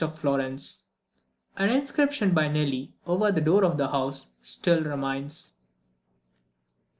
of Florence. An inscription by Nelli, over the door of the house, still remains.